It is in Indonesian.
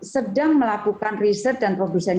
sedang melakukan riset dan produsen